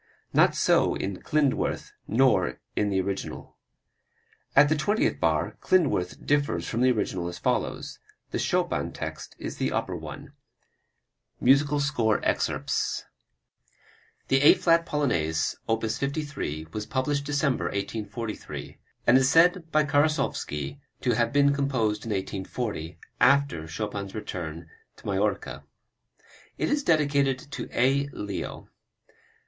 Not so in Klindworth nor in the original. At the twentieth bar Klindworth differs from the original as follows. The Chopin text is the upper one: [Musical score excerpts] The A flat Polonaise, op. 53, was published December, 1843, and is said by Karasowski to have been composed in 1840, after Chopin's return from Majorca. It is dedicated to A. Leo.